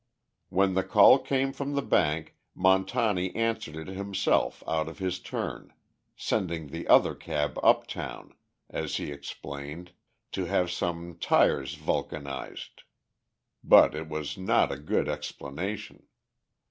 When the call came from the bank, Montani answered it himself out of his turn, sending the other cab uptown, as he explained, to have some tires vulcanized. But it was not a good explanation.